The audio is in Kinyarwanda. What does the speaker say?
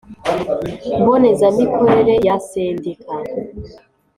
mboneza mikorere ya Sendika